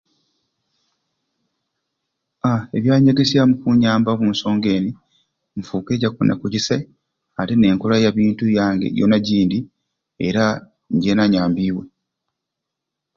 Aa ebyanyegesya omukunyamba omunsonga eni nfukire kyakuboneraku kisai ate nenkola yabintu yange yona jindi era njena nyambibwe.